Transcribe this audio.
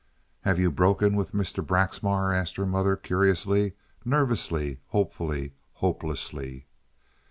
"Have you broken with Mr. Braxmar?" asked her mother, curiously, nervously, hopefully, hopelessly.